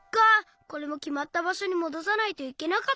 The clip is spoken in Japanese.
これもきまったばしょにもどさないといけなかったんだ。